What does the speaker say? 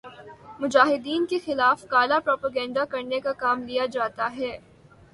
مجاہدین کے خلاف کالا پروپیگنڈا کرنے کا کام لیا جاتا ہے